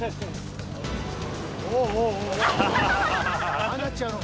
ああなっちゃうのか。